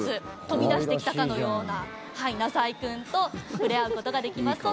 飛び出してきたかのようななさいくんと触れ合うことができます。